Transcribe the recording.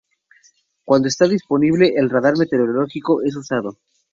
Cuando está disponible, el radar meteorológico es usado.